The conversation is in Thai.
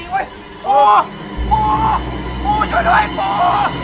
ไอ้บอสเป็นจริงเว้ยปูปูช่วยด้วยปู